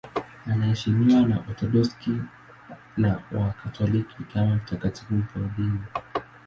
Anaheshimiwa na Waorthodoksi na Wakatoliki kama mtakatifu mfiadini.